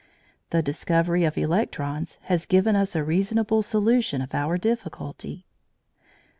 The discovery of electrons has given us a reasonable solution of our difficulty.